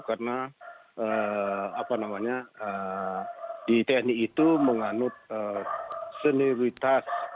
karena di tni itu menganut senilitas